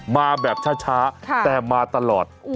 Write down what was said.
มาแบบช้าแต่มาตลอด